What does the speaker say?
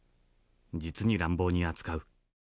実に乱暴に扱う。